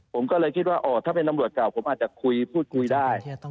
ผมก็เลยคิดว่าถ้าเป็นตำรวจเก่าผมอาจจะคุยพูดคุยได้